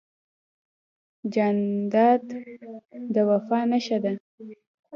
جانداد د وفا نښه ده.